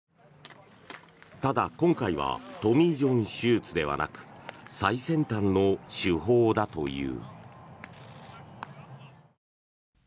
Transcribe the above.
ただ、今回はトミー・ジョン手術ではなく最先端の手法だという。